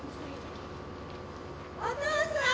お父さん！